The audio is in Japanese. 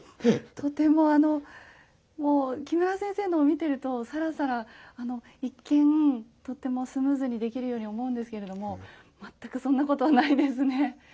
とてもあのもう木村先生のを見てるとサラサラ一見とてもスムーズにできるように思うんですけれども全くそんなことはないですね。